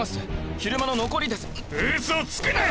昼間の残りです嘘つくな！